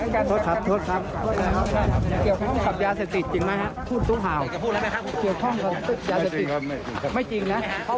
คุณตู้ห่าวครับ